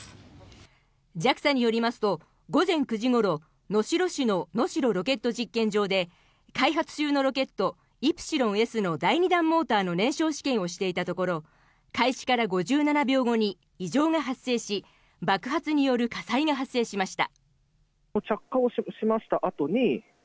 ＪＡＸＡによりますと午前９時ごろ能代市の能代ロケット実験場で開発中のロケットイプシロンＳの第２段モーターの燃焼試験をしていたところ開始から５７秒後に異常が発生し爆発による火災が発生しました。